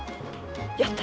やった！